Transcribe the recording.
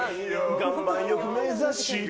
岩盤浴目指して。